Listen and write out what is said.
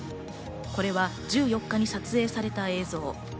これは１４日に撮影された映像。